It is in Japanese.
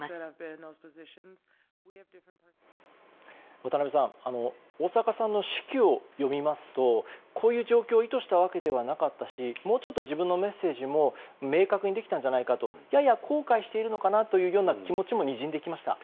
渡辺さん大坂さんの手記を読みますとこういう状況を意図したわけではなかったしもうちょっと自分のメッセージも明確にできたんじゃないかとやや後悔しているのかなというような気持ちもにじんできました。